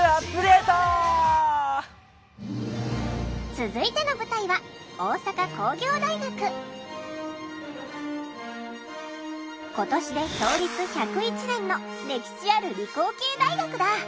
続いての舞台は今年で創立１０１年の歴史ある理工系大学だ。